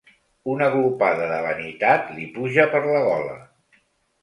Una glopada de vanitat li puja per la gola.